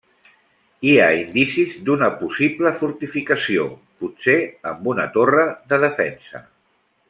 Hi ha indicis d'una possible fortificació, potser amb una torre de defensa.